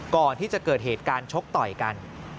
ก่อนที่จะเกิดเหตุการณ์ชกต่อยกัน